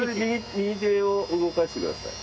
右手を動かしてください。